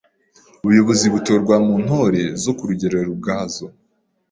Ubuyobozi butorwa mu Ntore zo ku Rugerero ubwazo